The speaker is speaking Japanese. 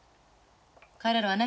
帰れるわね？